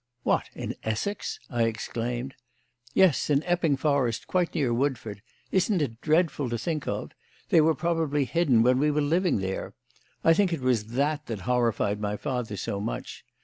"What! in Essex?" I exclaimed. "Yes, in Epping Forest, quite near Woodford. Isn't it dreadful to think of it? They were probably hidden when we were living there. I think it was that that horrified my father so much.